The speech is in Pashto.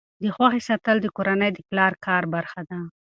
د خوښۍ ساتل د کورنۍ د پلار د کار برخه ده.